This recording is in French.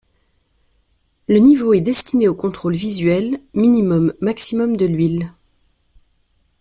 Le niveau est destiné au contrôle visuel minimum-maximum de l'huile.